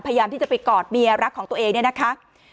พยายามที่จะไปกอดเมียรักของตัวเองเนี่ยนะคะ